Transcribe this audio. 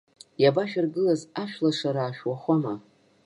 Иабашәагылаз ашәлашараа шәуахәама?